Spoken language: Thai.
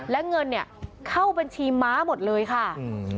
และเงินเนี่ยเข้าบัญชีม้าหมดเลยค่ะอืม